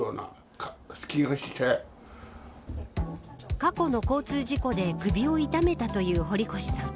過去の交通事故で首を痛めたという堀越さん。